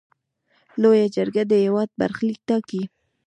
لویه جرګه د هیواد برخلیک ټاکي.